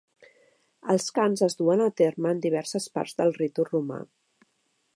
Els cants es duen a terme en diverses parts del ritu romà.